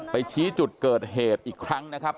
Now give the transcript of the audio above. ชี้จุดเกิดเหตุอีกครั้งนะครับ